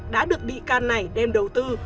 đã được bị can này đem đầu tư